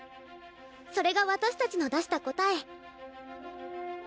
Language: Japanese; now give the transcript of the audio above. それが私たちの出した答え。